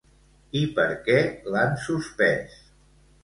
I per què l'han suspès?